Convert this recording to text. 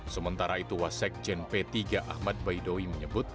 sementara itu wasek jen p tiga ahmad baidowi menyebut